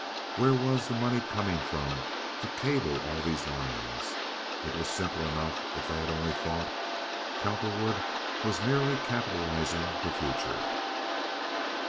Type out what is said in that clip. Where was the money coming from to cable all these lines? It was simple enough if they had only thought. Cowperwood was merely capitalizing the future.